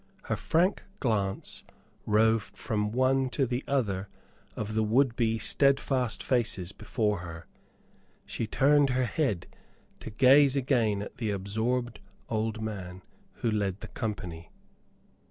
Her frank glance roved from one to the other of the would be steadfast faces before her. She turned her head to gaze again at the absorbed old man who led the company.